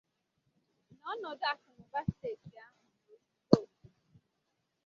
na ọnọdụ akụnụba steeti ahụ n'ozuzuokè.